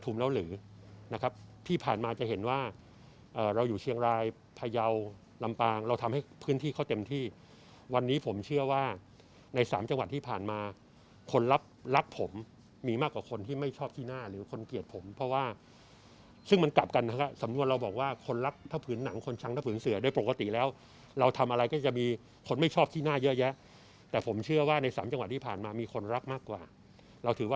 ทุมทางเราทำให้พื้นที่เขาเต็มที่วันนี้ผมเชื่อว่าในสามจังหวัดที่ผ่านมาคนรับรักผมมีมากกว่าคนที่ไม่ชอบที่หน้าหรือคนเกลียดผมเพราะว่าซึ่งมันกลับกันนะคะสำนวนเราบอกว่าคนรักถ้าผืนหนังคนช้างถ้าผืนเสือโดยปกติแล้วเราทำอะไรก็จะมีคนไม่ชอบที่หน้าเยอะแยะแต่ผมเชื่อว่าในสามจังหวัดที่ผ่านมามีคนรักมา